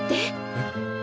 えっ？